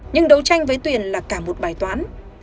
nhưng đấu tranh với tuyền là cả một bài toán